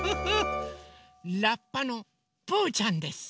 ラッパのぷうちゃんです！